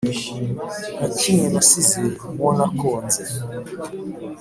Nka kimwe nasize mu wo nakonze